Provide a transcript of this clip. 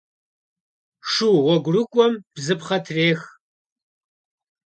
Шу гъуэгурыкӏуэм бзыпхъэ трех.